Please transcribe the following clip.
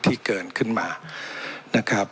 ที่เกินขึ้นมา